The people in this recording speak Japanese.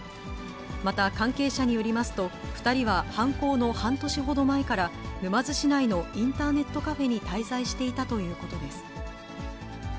また関係者によりますと、２人は犯行の半年ほど前から沼津市内のインターネットカフェに滞在していたということです。